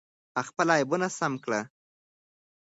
خپل عیبونه سم کړئ.